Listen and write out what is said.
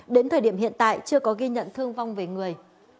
đến thời điểm hiện tại chưa có ghi nhận thương vong về người